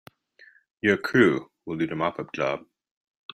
Your crew will do the mop up job.